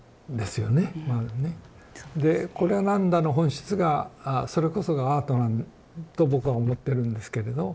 で「こりゃなんだ？」の本質がそれこそがアートと僕は思ってるんですけれど